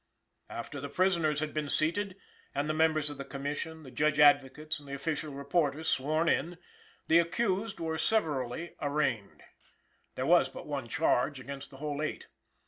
After the prisoners had been seated, and the members of the Commission, the Judge Advocates and the official reporters sworn in, the accused were severally arraigned. There was but one Charge against the whole eight.